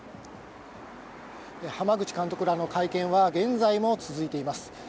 濱口監督らの会見は現在も続いています。